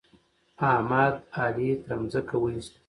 احمد؛ علي تر ځمکه واېست.